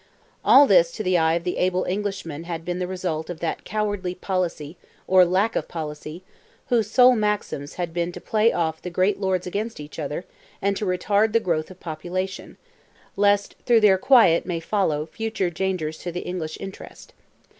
All this to the eye of the able Englishman had been the result of that "cowardly policy, or lack of policy," whose sole maxims had been to play off the great lords against each other and to retard the growth of population, least "through their quiet might follow" future dangers to the English interest.